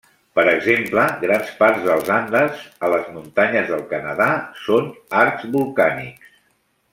Per exemple, grans parts dels Andes a les muntanyes del Canadà són arcs vulcànics.